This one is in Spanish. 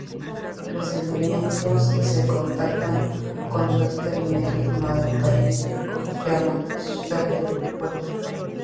Los elementos se contactan con dos terminales metálicas llamadas sustrato y compuerta.